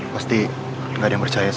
lu engga deh